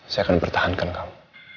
saya akan pertahankan kamu